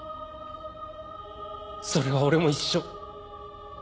それは俺も一緒。